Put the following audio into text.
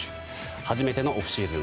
初めてのオフシーズン。